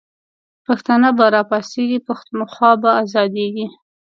پښتانه به راپاڅیږی، پښتونخوا به آزادیږی